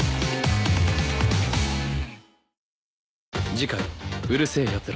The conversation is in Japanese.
次回『うる星やつら』